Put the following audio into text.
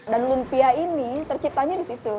dan lumpia ini terciptanya di situ